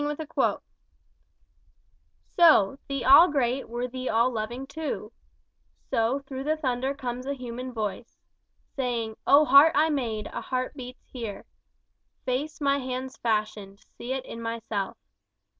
El Dorado found "So, the All Great were the all loving too So, through the thunder comes a human voice, Saying, O heart I made, a heart beats here! Face my hands fashioned, see it in myself!